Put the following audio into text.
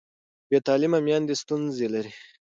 بې تعلیمه میندې ستونزه لري.